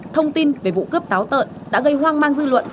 thông tin về vụ cướp táo tợn đã gây hoang mang dư luận